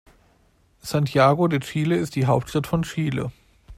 Santiago de Chile ist die Hauptstadt von Chile.